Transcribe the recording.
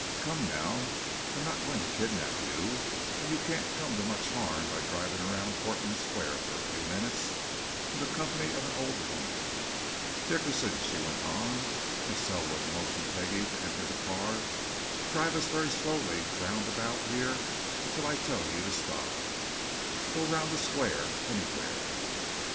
Come now! I am not going to kidnap you, and you can't come to much harm by driving round about Portman Square for a few minutes, in the company of an old woman! Dickerson," she went on, as Selwood motioned Peggie to enter the car, "drive us very slowly round about here until I tell you to stop go round the square anywhere."